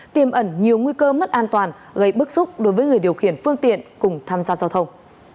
tiềm ẩn nhiều nguy cơ mất an toàn gây bức xúc đối với người điều khiển phương tiện cùng tham gia giao thông